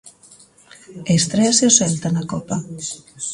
Estréase o Celta na Copa.